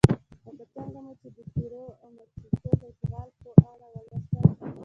لکه څنګه مو چې د پیرو او مکسیکو د اشغال په اړه ولوستل.